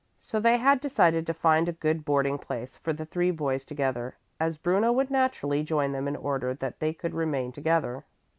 So they had decided to find a good boarding place for the three boys together, as Bruno would naturally join them in order that they could remain together.